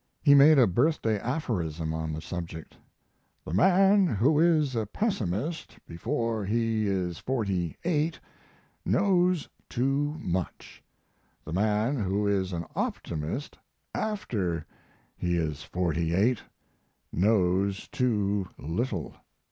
He made a birthday aphorism on the subject: "The man who is a pessimist before he is forty eight knows too much; the man who is an optimist after he is forty eight knows too little."